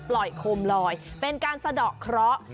ปล่อยโคมลอยเป็นการสะเดาะเคราะห์